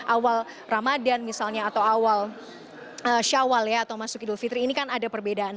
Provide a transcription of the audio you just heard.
awal ramadan misalnya atau awal syawal ya atau masuk idul fitri ini kan ada perbedaan